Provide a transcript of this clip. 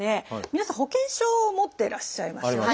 皆さん保険証を持ってらっしゃいますよね。